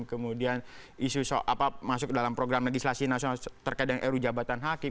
kemudian isu masuk dalam program legislasi nasional terkait dengan ru jabatan hakim